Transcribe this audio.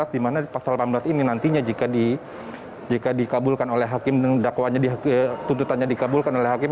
di mana pasal delapan belas ini nantinya jika dikabulkan oleh hakim dan dakwanya tuntutannya dikabulkan oleh hakim